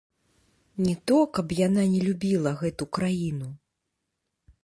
Не то, каб яна не любіла гэту краіну.